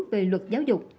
về luật giáo dục